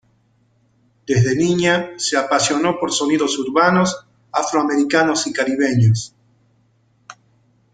Desde niña se apasionó por sonidos urbanos afroamericanos y caribeños.